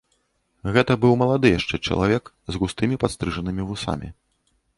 Гэта быў малады яшчэ чалавек з густымі, падстрыжанымі вусамі.